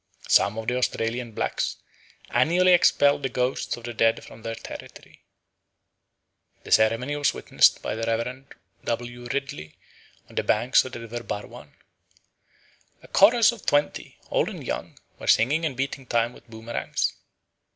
Some of the Australian blacks annually expelled the ghosts of the dead from their territory. The ceremony was witnessed by the Rev. W. Ridley on the banks of the River Barwan. "A chorus of twenty, old and young, were singing and beating time with boomerangs.